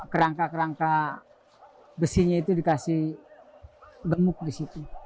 kerangka kerangka besinya itu dikasih gemuk di situ